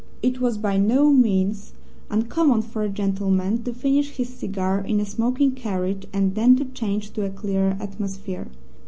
It was by no means uncommon for a gentleman to finish his cigar in a smoking carriage and then to change to a clearer atmosphere.